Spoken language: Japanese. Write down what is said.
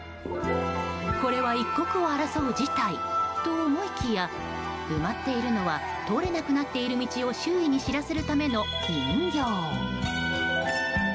これは一刻を争う事態と思いきや埋まっているのは通れなくなっている道を周囲に知らせるための人形。